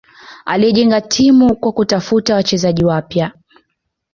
Alijenga timu kwa kutafuta wachezaji wapya